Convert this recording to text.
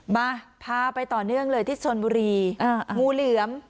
มาพาไปต่อเนื่องเลยที่ชนบุรีงูเหลือม